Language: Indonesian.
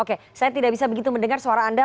oke saya tidak bisa begitu mendengar suara anda